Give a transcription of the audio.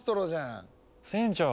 船長。